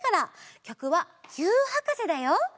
きょくは「ぎゅーっはかせ」だよ！